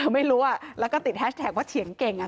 ไม่รู้แล้วก็ติดแฮชแท็กว่าเถียงเก่ง